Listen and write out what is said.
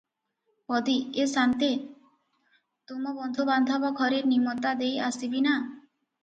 ପଦୀ -ଏ ସାନ୍ତେ! ତୁମ ବନ୍ଧୁବାନ୍ଧବ ଘରେ ନିମତା ଦେଇ ଆସିବି ନା?